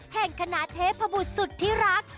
แห่งคณะเทพบุตรสุดที่รัก